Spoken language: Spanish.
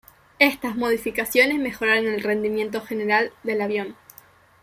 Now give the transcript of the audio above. Estas modificaciones mejoraron el rendimiento general del avión.